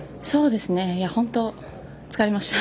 本当、疲れました。